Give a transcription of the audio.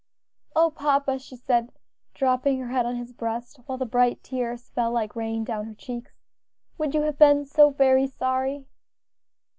"O papa!" she said, dropping her head on his breast while the bright drops fell like rain down her cheeks, "would you have been so very sorry?"